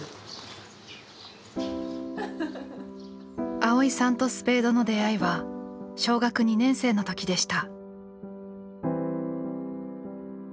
蒼依さんとスペードの出会いは小学２年生の時でした。